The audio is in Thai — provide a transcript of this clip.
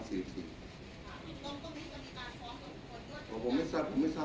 คุณท่านหวังว่าประชาธิบัติไม่ชอบมาตรา๔๔